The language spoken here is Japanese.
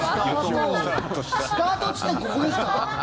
スタート地点ここですか？